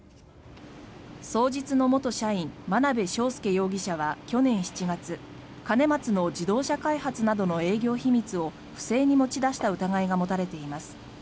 双日の元社員眞鍋昌奨容疑者は去年７月兼松の自動車開発などの営業秘密を不正に持ち出した疑いが持たれています。